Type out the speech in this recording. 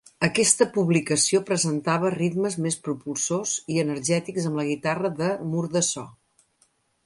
Aquesta publicació presentava ritmes més propulsors i energètics amb la guitarra de "mur de so".